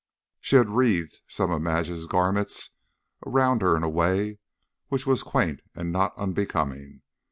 She had wreathed some of Madge's garments round her in a way which was quaint and not unbecoming.